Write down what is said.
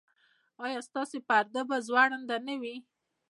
ایا ستاسو پرده به ځوړنده نه وي؟